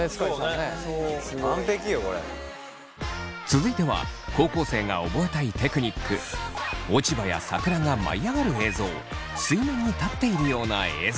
続いては高校生が覚えたいテクニック落ち葉や桜が舞い上がる映像水面に立っているような映像。